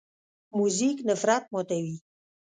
موزیک نفرت ماتوي.